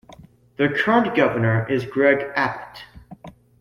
The current Governor is Greg Abbott.